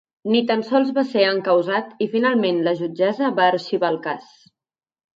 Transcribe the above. Ni tan sols va ser encausat i finalment la jutgessa va arxivar el cas.